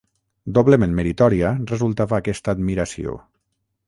Doblement meritòria resultava aquesta admiració